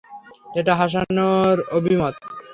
এটা হাসানের অভিমত।